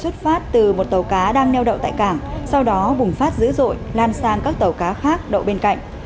một tàu cá đang neo đậu tại cảng sau đó bùng phát dữ dội lan sang các tàu cá khác đậu bên cạnh